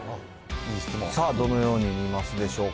さあ、どのように見ますでしょうか。